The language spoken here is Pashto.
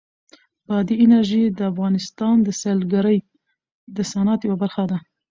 بادي انرژي د افغانستان د سیلګرۍ د صنعت یوه برخه ده.